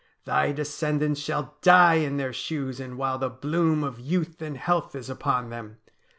Thy descendants shall die in their shoes, and while the bloom of youth and health is upon them.